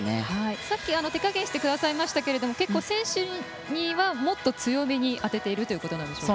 さっき手加減してくださいましたけど結構、選手にはもっと強めに当てているということなんですか。